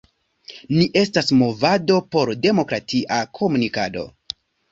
Ni estas movado por demokratia komunikado.